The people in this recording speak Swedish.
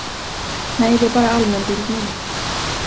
Nej, det är bara allmänbildning.